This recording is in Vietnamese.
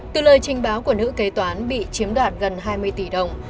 từ lời trình báo của nữ kế toán bị chiếm đoạt gần hai mươi tỷ đồng